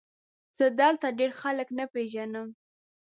زه دلته ډېر خلک نه پېژنم ؟